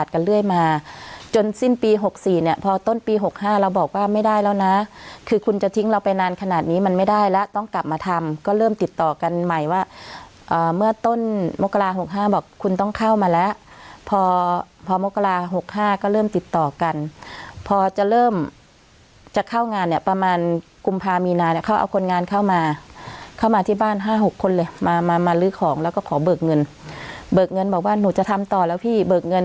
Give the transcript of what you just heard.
กันเรื่อยมาจนสิ้นปีหกสี่เนี้ยพอต้นปีหกห้าเราบอกว่าไม่ได้แล้วนะคือคุณจะทิ้งเราไปนานขนาดนี้มันไม่ได้แล้วต้องกลับมาทำก็เริ่มติดต่อกันใหม่ว่าอ่าเมื่อต้นมกราหกห้าบอกคุณต้องเข้ามาแล้วพอพอมกราหกห้าก็เริ่มติดต่อกันพอจะเริ่มจะเข้างานเนี้ยประมาณกุมภามีนาเนี้ยเขาเอาคนงานเข้ามาเข้ามาที่